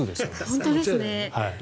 本当ですね。